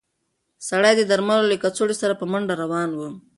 سړی د درملو له کڅوړې سره په منډه روان و.